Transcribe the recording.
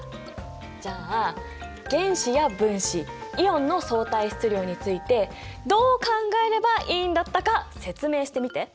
じゃあ原子や分子イオンの相対質量についてどう考えればいいんだったか説明してみて！